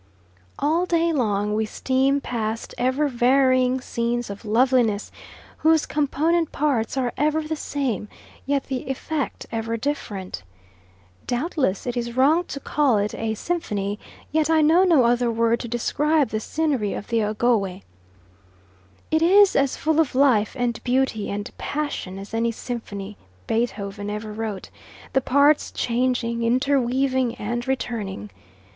All day long we steam past ever varying scenes of loveliness whose component parts are ever the same, yet the effect ever different. Doubtless it is wrong to call it a symphony, yet I know no other word to describe the scenery of the Ogowe. It is as full of life and beauty and passion as any symphony Beethoven ever wrote: the parts changing, interweaving, and returning.